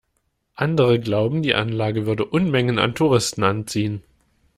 Andere glauben, die Anlage würde Unmengen an Touristen anziehen.